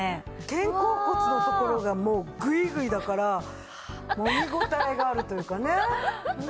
肩甲骨のところがもうグイグイだからもみごたえがあるというかね。